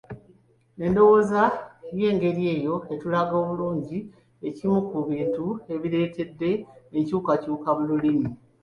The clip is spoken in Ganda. Endowooza ey’engeri eyo etulaga bulungi ekimu ku bintu ebireetedde enkyukakyuka mu lulimi